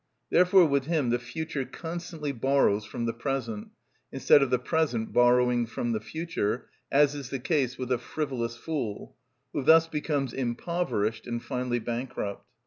Therefore with him the future constantly borrows from the present, instead of the present borrowing from the future, as is the case with a frivolous fool, who thus becomes impoverished and finally bankrupt.